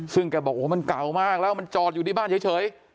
ซึ่งแกบอกโอ้โหมันเก่ามากแล้วมันจอดอยู่ที่บ้านเฉย